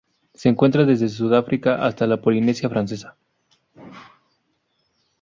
Se encuentra desde Sudáfrica hasta la Polinesia Francesa.